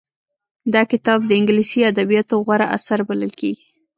دا کتاب د انګلیسي ادبیاتو غوره اثر بلل کېږي